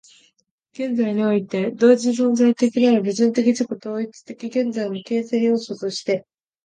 現在において同時存在的なる矛盾的自己同一的現在の形成要素として、